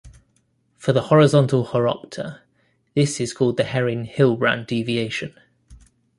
For the horizontal horopter this is called the Hering-Hillebrand deviation.